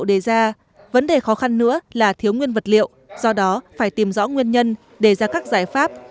đề ra vấn đề khó khăn nữa là thiếu nguyên vật liệu do đó phải tìm rõ nguyên nhân đề ra các giải pháp